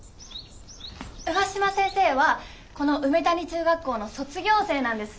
上嶋先生はこの梅谷中学校の卒業生なんです。